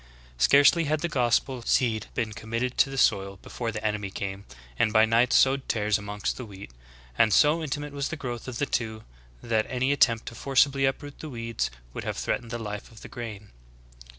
'^ 3. Scarcely had the gospel seed been committed to the soil before the enemy came, and by night sowed tares amongst the wheat ; and so intimate was the growth of the two that any attempt to forcibly uproot the weeds would have threatened the life of the grain.